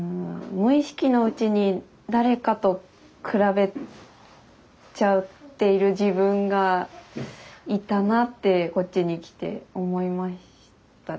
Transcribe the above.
無意識のうちに誰かと比べちゃっている自分がいたなってこっちに来て思いましたね。